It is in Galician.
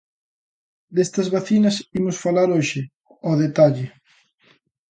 Destas vacinas imos falar hoxe o detalle.